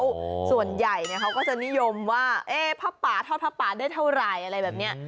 แล้วส่วนใหญ่เนี่ยเขาก็จะนิยมว่าผ้าป่าทอดผ้าป่าได้เท่าไหร่อะไรแบบนี้